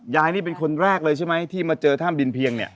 นี่เป็นคนแรกเลยใช่ไหมที่มาเจอถ้ำดินเพียงเนี่ย